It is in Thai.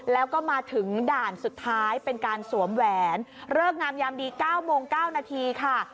แล้วก็มาถึงด่านสุดท้ายเป็นการสวมแหวนเลิกงามยามดี๙โมง๙นาทีค่ะ